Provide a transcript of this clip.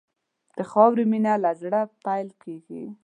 د خاورې مینه له زړه پیل کېږي.